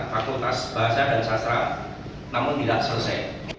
fakultas bahasa dan sastra namun tidak selesai